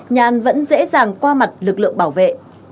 nhàn vẫn dễ dàng qua mặt lực lượng bảo vệ